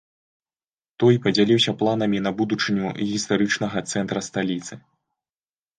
Той падзяліўся планамі на будучыню гістарычнага цэнтра сталіцы.